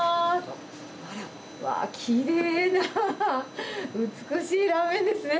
あら、うわぁ、きれいな美しいラーメンですね。